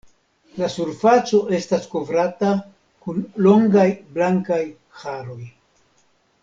La surfaco estas kovrata kun longaj blankaj haroj.